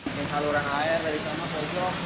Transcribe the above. ini saluran air dari sana ke jauh